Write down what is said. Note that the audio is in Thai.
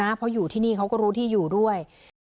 เพราะอยู่ที่นี่เขาก็รู้ที่อยู่ด้วย